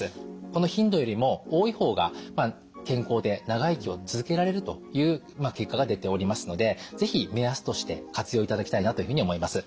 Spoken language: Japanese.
この頻度よりも多い方が健康で長生きを続けられるという結果が出ておりますので是非目安として活用いただきたいなというふうに思います。